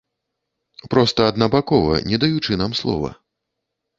Проста аднабакова, не даючы нам слова.